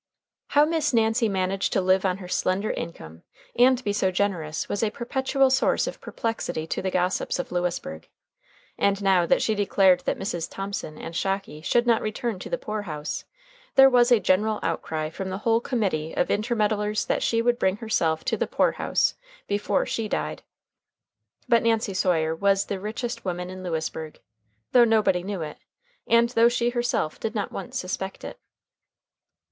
How Miss Nancy managed to live on her slender income and be so generous was a perpetual source of perplexity to the gossips of Lewisburg. And now that she declared that Mrs. Thomson and Shocky should not return to the poor house there was a general outcry from the whole Committee of Intermeddlers that she would bring herself to the poor house before she died. But Nancy Sawyer was the richest woman in Lewisburg, though nobody knew it, and though she herself did not once suspect it.